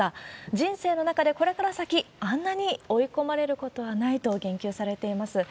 人生の中でこれから先、あんなに追い込まれることはないと言及されています。